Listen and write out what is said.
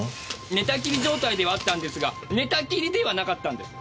寝たきり状態ではあったんですが「寝たきり」ではなかったんです。